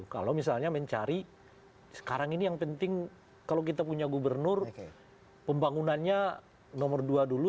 kalau misalnya mencari sekarang ini yang penting kalau kita punya gubernur pembangunannya nomor dua dulu